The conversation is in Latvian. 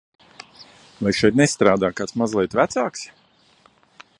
Vai šeit nestrādā kāds, kurš ir mazliet vecāks?